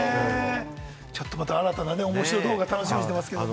ちょっとまた新たな面白動画を楽しみにしてますけど。